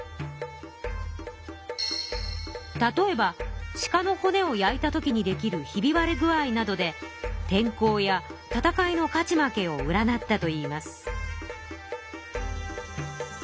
例えば鹿の骨を焼いたときにできるひびわれ具合などで天候や戦いの勝ち負けを占ったといいます。